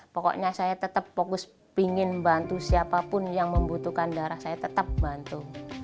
pokoknya saya tetap fokus pingin bantu siapapun yang membutuhkan darah saya tetap bantu